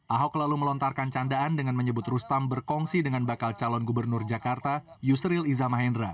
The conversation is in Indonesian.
ahok lalu melontarkan candaan dengan menyebut rustam berkongsi dengan bakal calon gubernur jakarta yusril iza mahendra